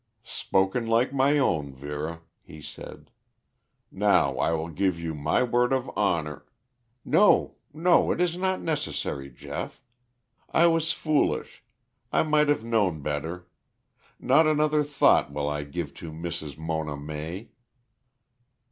"Spoken like my own, Vera," he said. "Now I will give you my word of honor " "No, no. It is not necessary, Geoff. I was foolish. I might have known better. Not another thought will I give to Mrs. Mona May."